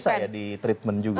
bisa ya di treatment juga